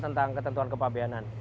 tentang ketentuan kepabianan